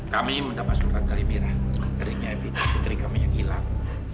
kami mendapat surat dari mira keringnya evita kering kami yang hilang